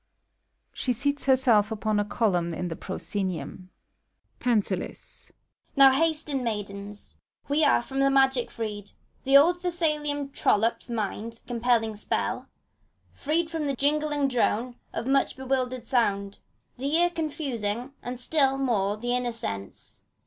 (She seats herself upon a column in the proscenium,) PANTHALIS. Now hasten, maidens! we are from the magic freed. The old Thessalian trollop's mind compelling spell, — Freed from the jingling drone of much bewildering sound, The ear confusing, and still more the inner sense.